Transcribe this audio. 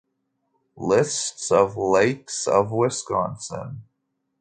List of lakes of Wisconsin